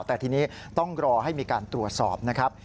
แต่ทีนี้ต้องรอให้มีการตรวจสอบนะครับ